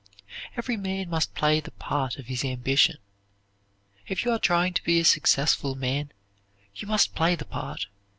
Every man must play the part of his ambition. If you are trying to be a successful man you must play the part.